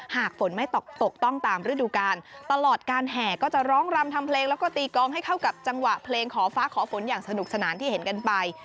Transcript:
หากฝนไม่ตกต้องตามฤดูกาลตลอดการแห่ก็จะร้องรำทำเพลงแล้วก็ตีกองให้เข้ากับจังหวะเพลงขอฟ้าขอฝนอย่างสนุกสนานที่เห็นกันไป